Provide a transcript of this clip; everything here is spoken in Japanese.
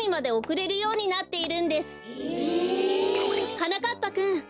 はなかっぱくん。